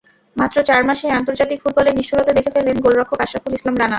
মাত্র চার মাসেই আন্তর্জাতিক ফুটবলের নিষ্ঠুরতা দেখে ফেললেন গোলরক্ষক আশরাফুল ইসলাম রানা।